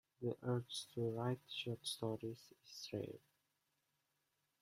The urge to write short stories is rare.